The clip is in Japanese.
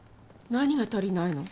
何が足りないの？